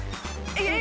えっ？